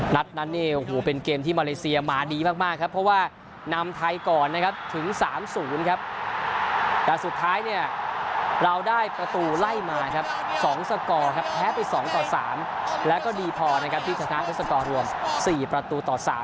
นัดนั้นเป็นเกมที่มาเลเซียมาดีมากเพราะว่านำไทยก่อนถึง๓๐สุดท้ายเราได้ประตูไล่มา๒สกอร์แพ้ไป๒๓แล้วก็ดีพอที่จะท้าสกอร์รวม๔ประตูต่อ๓